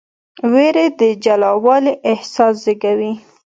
ویره د جلاوالي احساس زېږوي.